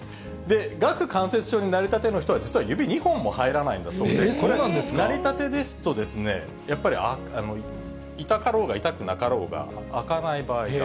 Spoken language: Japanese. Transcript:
顎関節症になりたての人は、実は指２本も入らないんだそうで、なりたてですと、やっぱり痛かろうが痛くなかろうが、開かない場合が。